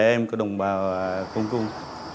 trẻ em của đồng bào cung cung